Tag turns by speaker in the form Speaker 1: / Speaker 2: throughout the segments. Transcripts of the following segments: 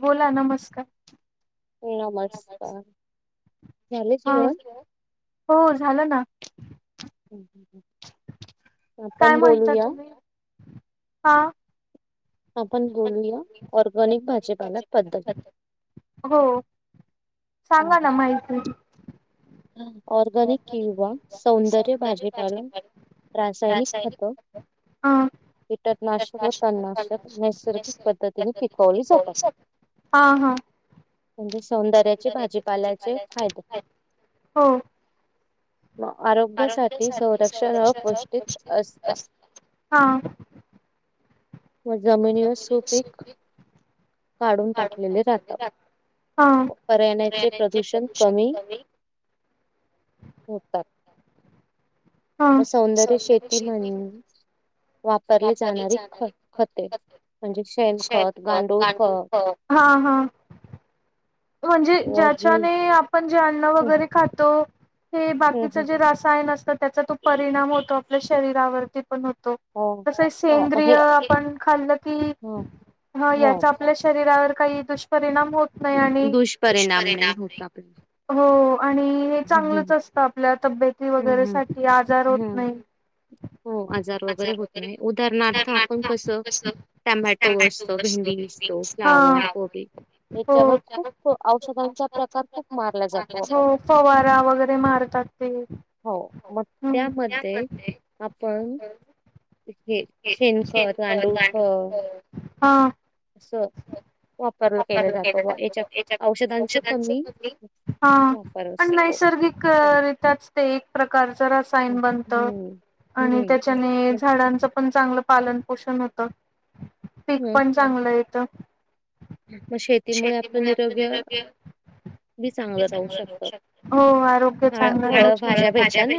Speaker 1: बोला नमस्कार.
Speaker 2: नमस्कार.
Speaker 1: हा, हो झालं ना
Speaker 2: आपण बोलूया
Speaker 1: हा.
Speaker 2: आपण बोलूया ऑरगॅनिक भाजीपाला बद्दल.
Speaker 1: सांगा ना माहिती
Speaker 2: ऑरगॅनिक किंवा सौंदर्य भाजीपाला रासायनिक खत
Speaker 1: हा प्रकाश [unintelligible] पद्धतीने पिकवली जाते. हा, हा.
Speaker 2: म्हणजे सौंदर्याचे भाजी पाल्याचे फायदे
Speaker 1: हो. आरोग्यासाठी संरक्षण व पौष्टिक असते. हा.
Speaker 2: म जमिनीवर सूपीक काढून टाकलेले जातात. पर्यारणाचे प्रदूषण कमी होतात. व सौंदर्य शेती म्हण वापरली जाणारी ख खते म्हणजे शेण खत, गांडूळ खत
Speaker 1: म्हणजे ज्याच्याने आपण जे अन्न वगैरे खातो हे बाकीच जे रसायन असतं त्याचा तो परिणाम होतो आपल्या शरीरावरती पण हो तसे सेंद्रिय आपण खाल्लं की ह याचा आपल्या शरीरावर काही दुष्परिणाम होत नाइ आणि दुष्परिणाम नाइ. हो. आणि चांगलंच असतं आपल्या तब्येती वगैरे साठी आजार होत नाइ. हो आजार वगैरे वगरे होत नाइत उदाहरणार्थ [unintelligible] हा, हो. हो, फवारा वगैरे मारतात ते.
Speaker 2: हो म त्यामध्ये आपण हे शेणकत गांडूळक अस वापरलं केलं जातं याच्यात औ
Speaker 1: हा, पण नैसर्गिकरित्याच ते एक प्रकार रसायन बनत आणि त्यांच्यानी झाडाच पण चांगलं पालन पोषण होत, पीक पण चांगलं येत.
Speaker 2: म शेतीमुळे आपण नि
Speaker 1: म्हणजे दब्य हो आरोग्य चांगल राहू शक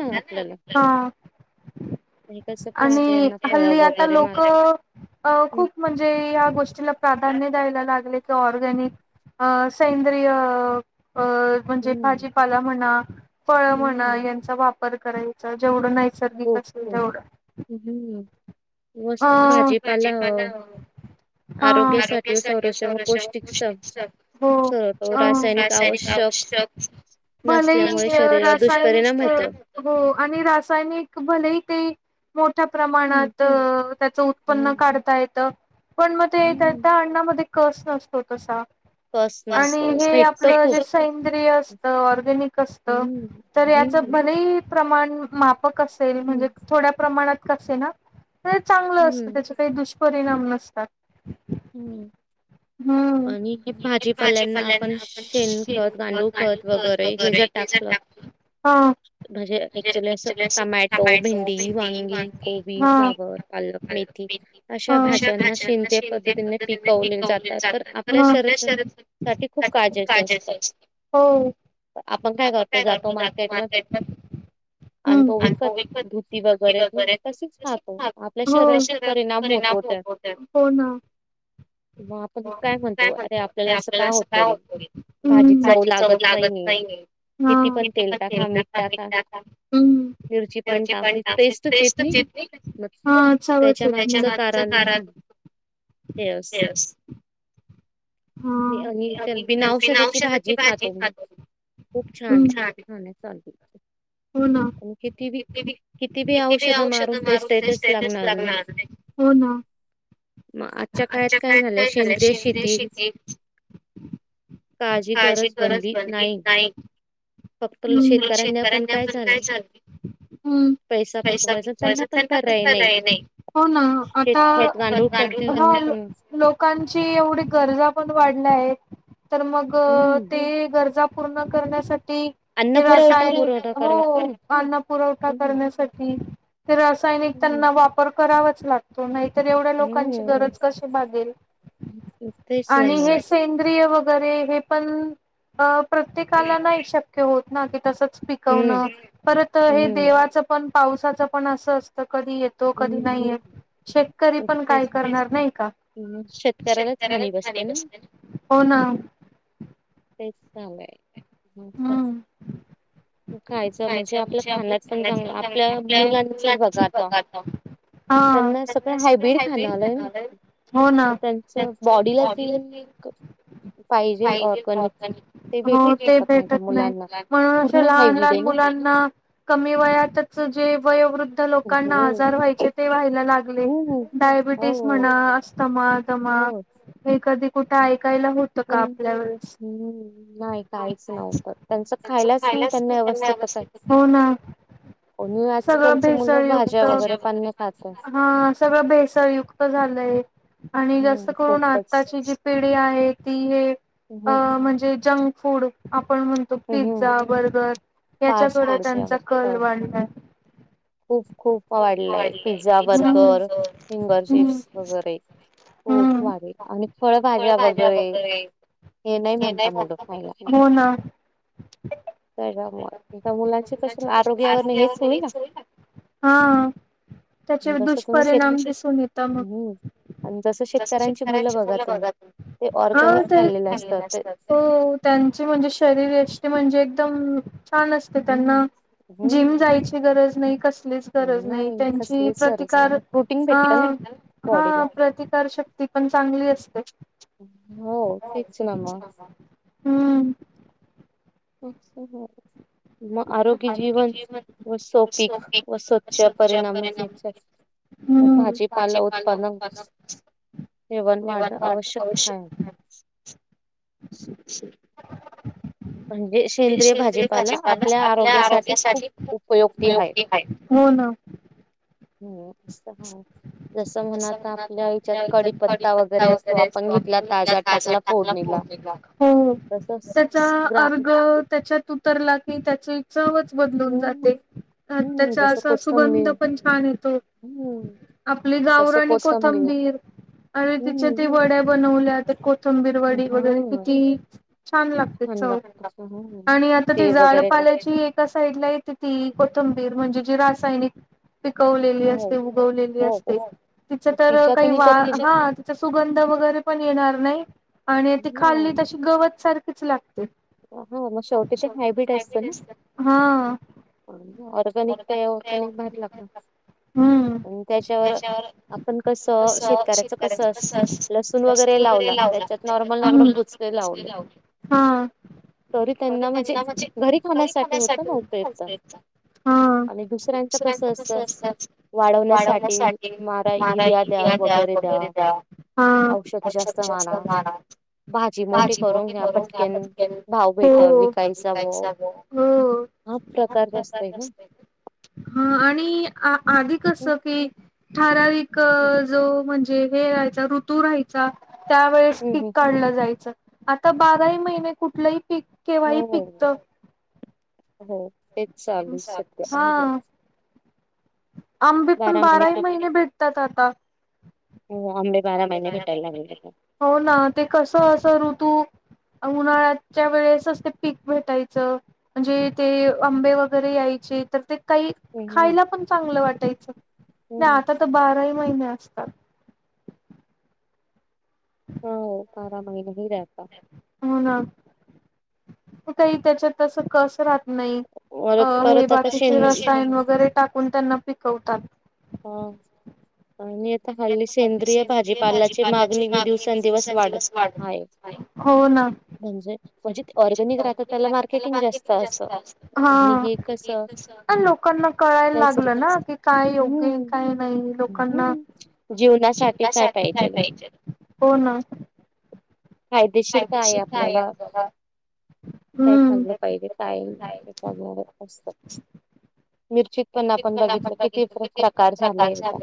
Speaker 2: कस भाज्या यांना फळ वगैरे मारतात
Speaker 1: अ खूप म्हणजे या गोष्टीला प्राधान्य यायला लागलेत ऑर्गनिक सेंद्रिय अ म्हणजे भाजीपाला म्हणा फळ म्हणा यांचा वापर पर करायच जेवढं नैसर्गिक असेल तेवढं अ [unintelligible] पल हा आरोग्यासाठी साठी संर [unintelligible] रासायनिक भय आणि राय [unintelligible] भलेही ते मोठ्या प्रमाणात त त्याच उत्पन्न काढता येत. पण मग ते येत अण्णामध्ये कस नसतो तसा. आणि हे आपलं जे सैंद्रिय असत ऑर्गेनिक असत. तर याचं भलं ही प्रमाण मापक असेल म्हणजे थोड्या प्रमाणात क असेना चांगलं असतं त्याचे द परिणाम नसतात.
Speaker 2: हम्म. आणि हे भाजीपाल्यांना आपण शेण खत गांडू खत वगैरे हे ज टाकलं.
Speaker 1: हा. म्हणे एकचुली असं टमॅटो भिडी वगी. भा [unintelligible] पद्धतीनेिकवले जात तर आपल्या शरीर खूप काजेच असत [unintelligible] हो.
Speaker 2: आपण काय करतो जातो मार्केट म आणि तो विकत धुती वगैरे त तशीच खातो. आपल्या शरीरात खूप परिणाम होत त्यात.
Speaker 1: काय म्हणतो आपल्याला असं काय वातई भाजी चव लागत [unintelligible] थ पण काचे पण [unintelligible] ते तथे हा चवच त्याच्या नातच कारण [unintelligible] येस
Speaker 2: भी आणि बिना औषधाची भाजी खातो. खूप छान लागते हा चालीय.
Speaker 1: हो ना कीती किती औषध मारू ते स्टेटस लागणार नाही. हो ना आजच्या काळात काय झालंय सेंद्रिय शेती. काळजी करच बनली नाही. हम् शेतकऱ्यांना पण काय चालते ह. पैवाय त्यां नाही हो ना आता [unintelligible] लोकांची एवढी गरजा. वाढ तर मग ते गरजा पूर्ण करण्यासाठी. ते रासायनिक हो अन्न पुरवठा करण्यासाठी. ते रासायनिक त्यांना वापर करावाच लागतो नाही तर एवढ्या लोकांची गरज कशी बागेल आणि हे सेंद्रय द्रिय हे पण अ प्रत्येकाला का नाही शक्य होत, ना त तसंच. पिकवण परत हे देवाचं पण पावसाचं पण असं असतं. कधी येतो कधी नाही येत. शेतकरी पण काय करणार नाही का शेतकऱ्याला झाले हो ना.
Speaker 2: तेच झालंय नाहीतर. खायचं म्हणजे आपल्या खाण्यात पण चांगलं आपल्या मुलांचच बघा आता. त्यांना सगळं हायबिड खाणं आलंय ना तर त्यांच बॉडीला जे हा [unintelligible]
Speaker 1: ेहो ते भेटत नाही प [unintelligible] लहान लहान मुलांना कमी वयातच जे वय लोकांना आजार व्हायचे ते व्हायला लागले डायबिटीस म्हणा असतमा. स्थमा हे कधी कुठे ऐकायला होतं, का आपल्या वेळेस. यच त्यांच खायलाच त्यांना अव [unintelligible] स्थित हो ना सगळं भेसळयुक्त हा सगळं भेसळयुक्त झालंय. आणि जास्त करून आताची जी पिढी आहे, ती हे अ म्हणजे जंक फूड आप आपण म्हणतो पिझ्झा बर्गर याच्या थोडा त्यांचा कल वाढलाय.
Speaker 2: खूप खूप आवडलंय पिझ्झा बर्गर फिंगर चिप्स वगैरे खूप वाढे आणि फळभाज्या वगैरे हे नाही म्हणता मुलं.
Speaker 1: हो ना
Speaker 2: त्याच्यामुळे मुलांची कश आरोग्यावर हेच होईल ना.
Speaker 1: हा त्याचे दुष्परिणाम दिसून येत मग. जस शेतकऱ्यांची मुलं बघा. हा तले न असतात. त्यांची म्हणजे शरीरयष्टी म्हणजे एकदम छान असते त्यांना जिम जायची गरज नाही कसलीच गरज नाही त्यांची प्रत हा प्रतिकार शक्ती पण चांगली असते.
Speaker 2: हो तेठीकच ना म आरोग्य जीवन व सौपीक व स्वच्छ परिणाम याच्या व भाजीपाला उत्पन्न सवन वा आवश्यक आहे.
Speaker 1: श सेंद्रिय भाजीपाला आपल्या आरोग्यासाठी खूप उपयोगी आहे. हा
Speaker 2: हम्म ह जस म्हण आता आपल्या हच्यात कडीपत्ता वगैरे असतो आपण घेतला ताजा टाकला फोडणी
Speaker 1: फोडणी टाक हो हो त्याचा अर्घ त्याच्यात उतरला कि त्याचे चवच बदलून जाते अ त्याचा असा सुगंध पण छान येतो. अप गावरानी कोथंबीर आणि तिच्या त्या वड्या बनवल्या तंबीरवाडी वगैरे किती छान लागते चव. आणि आता ती जाडपाल्याची एका साइड ला येते ती कोथ थंबीर म्हणजे जी रासायनिक पिकवलेली असते उगवलेली असते. तिच तर काही वा हा तिचा सुगंध वगैरे पण येणार न्हई आणि ती खाल्ली तशी गवत सारखीच लागते. ते शेवटी ती फॅब्रिक असत ह. ऑरगॅनिक पण भेटतात त्याच्यावर कस शेतकऱ्याच कस अस लसून वगैरे लावला त्याच्या कपणुकीत नसत्यात आओ हा अहो त्यांना म्हणजी घरी खाण्यासाठी होत. हा दुसऱ्यांच कस असत वाढवण्यासाठी मारा इडिया द्या वगैरे द्या ह अक्ष अस मारा. माझी मोट कर आत हो पैसा ब आठ प्रकारचे अस काहीतरी ह आणि आधी कस की ठराविक जो म्हण जे हे रहायचा ऋतूराहायचा त्या वेळेस पीक काढल जाय च आता बाराही महिने कुठलंही पीक केव्हाही पिकत.
Speaker 2: [unintelligible]
Speaker 1: आंबे पण बाराही महिने भेटतात आता. हो ना ते कस असं ऋतू उन्हाळ्याच्या वेळेसच ते पीक भेटायचं म्हणजे ते आंबे वगैरे कायची तर ते कै खायला पण चांगलं वाटायचं आणि आता तर बारा ही महिन [unintelligible]
Speaker 2: बारा महिने दिलय आता.
Speaker 1: कुठही त्याच्यात तस कस राहत. न्हई अ हे बाकीचे रसायन वगैरे टाकून त्यांना पिकवतात
Speaker 2: हम आणि आता हल्ली सेंद्रिय भाजीपालाची मागणी बी दिवसेंदिवस वाढत हाय
Speaker 1: हाय हो ना सेंद्रिय भाजीपाल्याला मार्केटिंग जास्त असत हा अ लोकांना कळायला लागलं ना की काय योग्यय काय नई लोकांना
Speaker 2: जीवनासाठी काय पाहिजेल फायदेशीर काय आपल्याला काय खाल्ल पाहिजे काइम त्याच्यावरच असत भैर चिकन आपण बघितलं कि किती प्र प्रकार झाले आहेत आता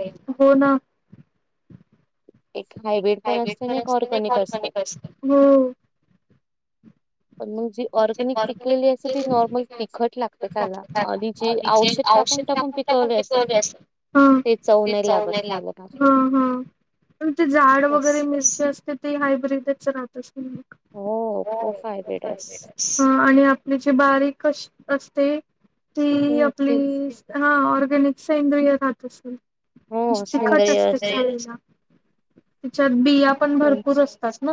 Speaker 2: एक हायब्रीड पण असत आणि एक ऑरगॅनिक असत जी ऑरगॅनिक पिकलेली असते नॉर्मल तिखट लागते खायला आणि जी औषध टाकून टाकून पिकवले असते
Speaker 1: ते चव नाही लागत हा हा पण ते झाड वगैरे मिस असते ते हायब्रिडच राहत
Speaker 2: हो खूप हायब्रीड अस
Speaker 1: हा आणि आपली जी बारीक कश असते ती आपली हा ऑरगॅनिक सैंद्रिय राहत असेल म्हणजे तिखट असते खायला बिया पण भरपूर असतात ना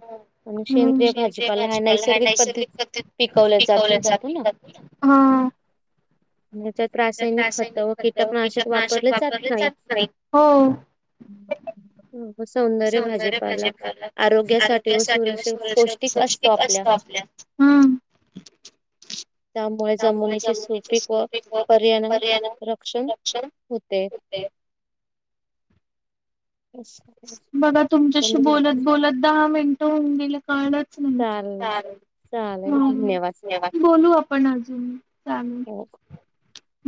Speaker 1: हो हम्म नैसर्गिक पिकवल्या जात ज रासायनिक खत कीटकनाशक वापरले जात नाही हो
Speaker 2: सौंदर्य भाजीपाला आरोग्यासाठी व सुर पौष्टिक असतो आपल्या च मु जमनीचे सपीक व परयन रक्षण होते ह
Speaker 1: बघा तुमच्याशी बोलत बोलत दहा मिनटं होऊन गेलं काढ कार ह बोलू आपण अजून चालेू